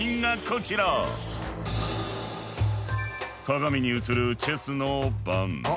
鏡に映るチェスの盤。